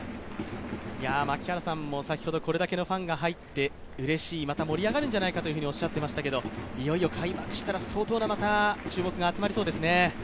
槙原さんもこれだけのファンが入ってうれしい、盛り上がるんじゃないかとおっしゃっていましたがいよいよ開幕したら、相当な注目が集まりそうですね。